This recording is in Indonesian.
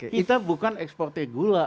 kita bukan ekspor teh gula